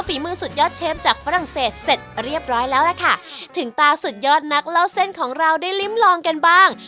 ฝีมือสุดยอดเชฟจากฝรั่งเศสเสร็จเรียบร้อยแล้วล่ะค่ะถึงตาสุดยอดนักเล่าเส้นของเราได้ลิ้มลองกันบ้าง